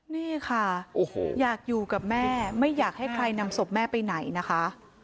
นี่ค่ะอยากอยู่กับแม่ไม่อยากให้ใครนำศพแม่ไปไหนนะคะ